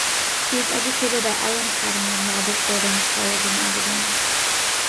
He was educated at Ellon Academy and Robert Gordon's College in Aberdeen.